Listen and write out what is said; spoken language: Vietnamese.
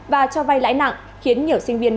và cho vay lãi nặng khiến nhiều sinh viên